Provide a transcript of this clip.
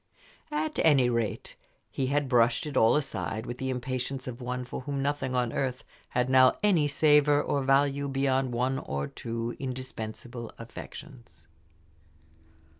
At any rate, he had brushed it all aside with the impatience of one for whom nothing on earth had now any savor or value beyond one or two indispensable affections.